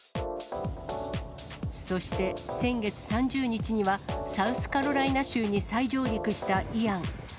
そして、先月３０日には、サウスカロライナ州に再上陸したイアン。